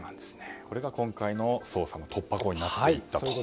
これが今回の捜査の突破口になっていたと。